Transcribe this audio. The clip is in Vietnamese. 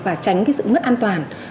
và tránh sự mất an toàn